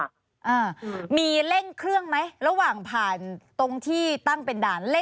อ่ามีเร่งเครื่องไหมระหว่างผ่านตรงที่ตั้งเป็นด่านเล่น